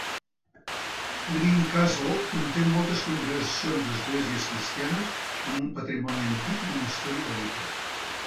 Greencastle conté moltes congregacions d'esglésies cristianes amb un patrimoni antic i una història rica.